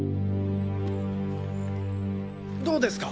どうですか？